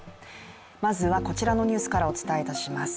まずはこちらのニュースからお伝えします。